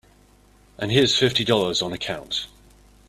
And here's fifty dollars on account.